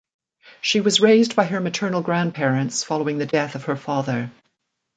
She was raised by her maternal grandparents following the death of her father.